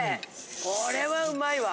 これはうまいわ。